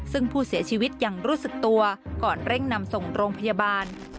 ซึ่งผู้เสียชีวิตยังรู้สึกตัวก่อนเร่งนำส่งโรงพยาบาล